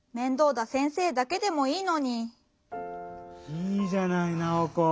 いいじゃないナオコ。